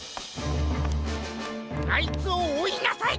あいつをおいなさい！